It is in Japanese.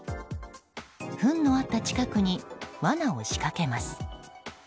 ふんのあった近くにわなを仕掛けます。